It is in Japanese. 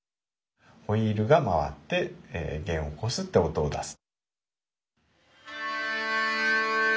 ホイールが回って弦をこすって音をだす。